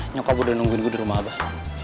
nyokap gue udah nungguin gue di rumah abah